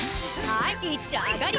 はいいっちょあがり！